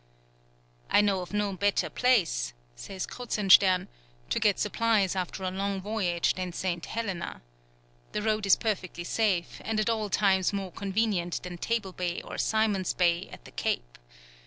"I know of no better place," says Kruzenstern, "to get supplies after a long voyage than St. Helena. The road is perfectly safe, and at all times more convenient than Table Bay or Simon's Bay, at the Cape.